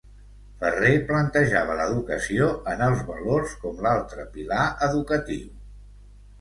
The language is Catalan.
Ferrer plantejava l’educació en els valors com l’altre pilar educatiu.